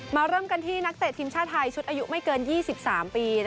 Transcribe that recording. เริ่มกันที่นักเตะทีมชาติไทยชุดอายุไม่เกิน๒๓ปี